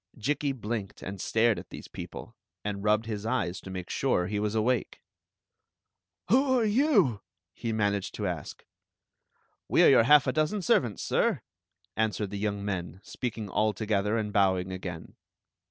Jikki blinked and stared at these people, and rubbed his eyes to make sure he was awake. " Who are you ?" he managed to ask. " We are your half a dozen servants, sir," answered the young men, speaking all together and bowing again.